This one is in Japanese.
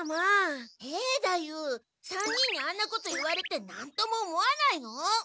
兵太夫３人にあんなこと言われて何とも思わないの？